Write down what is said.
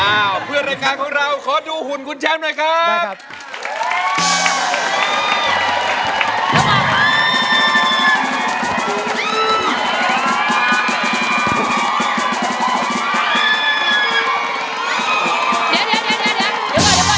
อ้าวเพื่อนรายการของเราขอดูหุ่นคุณแชมป์หน่อยครับได้ครับ